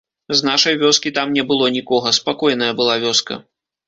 З нашай вёскі там не было нікога, спакойная была вёска.